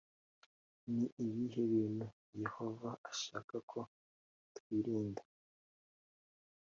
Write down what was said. Ni ibihe bintu Yehova ashaka ko twirinda‽